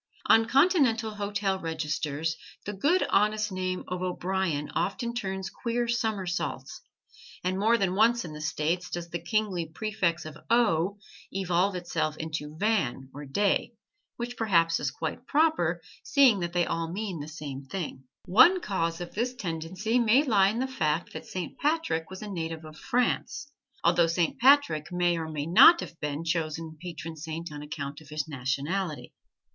On Continental hotel registers the good, honest name of O'Brian often turns queer somersaults, and more than once in "The States" does the kingly prefix of O evolve itself into Van or De, which perhaps is quite proper, seeing they all mean the same thing. One cause of this tendency may lie in the fact that Saint Patrick was a native of France; although Saint Patrick may or may not have been chosen patron saint on account of his nationality.